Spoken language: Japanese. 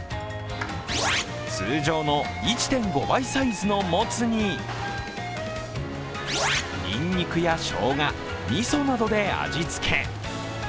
通常の１．５倍サイズのモツに、ニンニクや、ショウガみそなどで味付け。